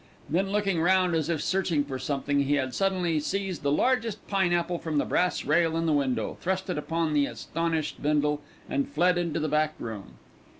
Then looking round as if searching for something, he had suddenly seized the largest pineapple from the brass rail in the window, thrust it upon the astonished Bindle, and fled into the back room.